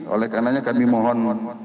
oleh karena kami mohon